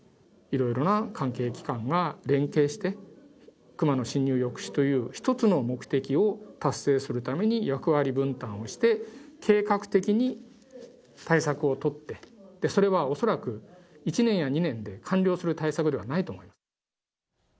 いろいろな関係機関が連携して、クマの侵入抑止という、一つの目的を達成するために役割分担をして、計画的に対策を取って、それは恐らく１年や２年で完了する対策ではないと思います。